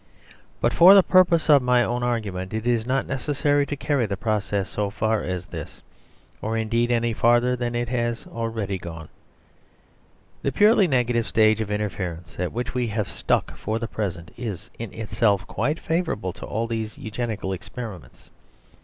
But for the purpose of my own argument it is not necessary to carry the process so far as this, or indeed any farther than it has already gone. The purely negative stage of interference, at which we have stuck for the present, is in itself quite favourable to all these eugenical experiments.